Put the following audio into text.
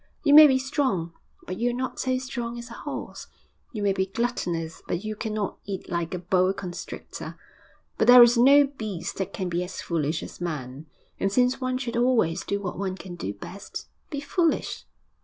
You may be strong, but you are not so strong as a horse; you may be gluttonous, but you cannot eat like a boa constrictor. But there is no beast that can be as foolish as man. And since one should always do what one can do best be foolish.